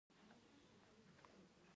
ایا زه باید ورور شم؟